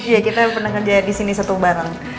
iya kita pernah kerja di sini satu bareng